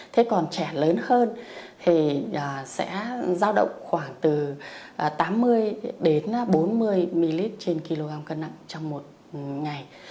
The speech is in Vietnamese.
thế còn trẻ lớn hơn thì sẽ giao động khoảng từ tám mươi đến bốn mươi ml trên kg cân nặng trong một ngày